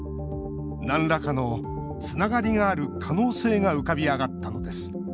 なんらかのつながりがある可能性が浮かび上がったのです。